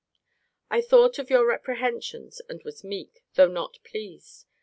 I thought of your reprehensions, and was meek, though not pleased.